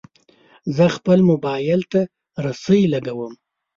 زه خپل موبایل ته سرۍ لګوم.